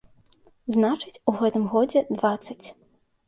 Значыць, у гэтым годзе дваццаць.